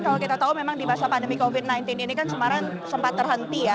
kalau kita tahu memang di masa pandemi covid sembilan belas ini kan semarang sempat terhenti ya